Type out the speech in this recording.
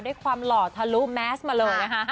ความหล่อทะลุแมสมาเลยนะคะ